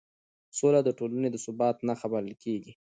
سوله د ټولنې د ثبات نښه بلل کېږي